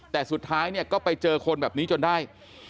แต่สุดท้ายเนี่ยก็ไปเจอคนแบบนี้จนได้